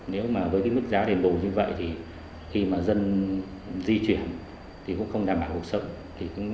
nếu với mức giá đền bù như vậy khi dân di chuyển cũng không đảm bảo cuộc sống